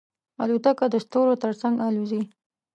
الوتکه د ستورو تر څنګ الوزي.